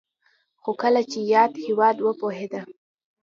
خو کله چې یاد هېواد وپوهېده